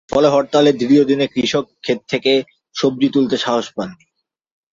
ফলে হরতালের দ্বিতীয় দিনে কৃষক খেত থেকে সবজি তুলতে সাহস পাননি।